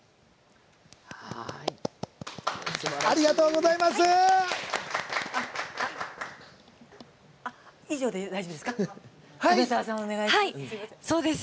ありがとうございます。